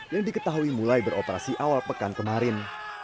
yang diketahui mulai beroperasi awal pekan kemarin